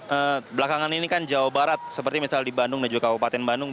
eee belakangan ini kan jawa barat seperti misalnya di bandung dan juga kabupaten bandung